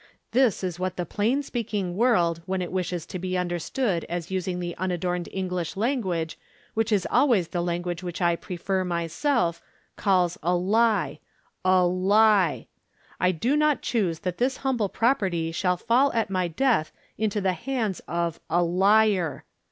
This is what the plain speaking world, when it wishes to be understood as using the unadorned English language, which is always the language which I prefer myself, calls a lie A LIE! I do not choose that this humble property shall fall at my death into the hands of A LIAR.